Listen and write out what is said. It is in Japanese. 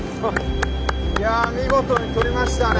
いやあ見事に取りましたね！